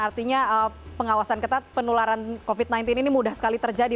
artinya pengawasan ketat penularan covid sembilan belas ini mudah sekali terjadi